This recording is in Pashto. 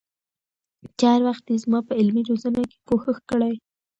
چې هر وخت يې زما په علمي روزنه کي کوښښ کړي